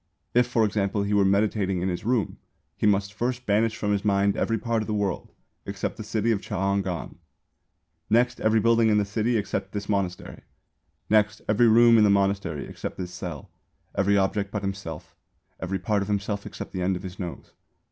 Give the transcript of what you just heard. If for example he were meditating in this room he must first banish from his mind every part of the world except the city of Ch'ang an. Next every building in the city except this monastery. Next, every room in the monastery except this cell, every object but himself, every part of himself except the end of his nose.